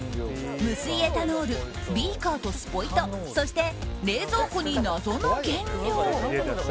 無水エタノールビーカーとスポイトそして冷蔵庫に謎の原料。